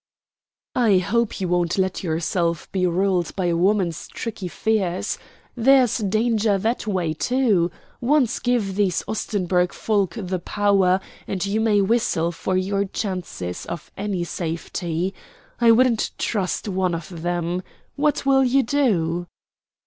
"I hope you won't let yourself be ruled by a woman's tricky fears. There's danger that way, too. Once give these Ostenburg folk the power, and you may whistle for your chances of any safety. I wouldn't trust one of them. What will you do?"